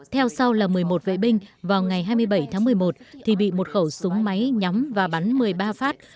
theo sau là một mươi một vệ binh vào ngày hai mươi bảy tháng một mươi một thì bị một khẩu súng máy nhắm và bắn một mươi ba phát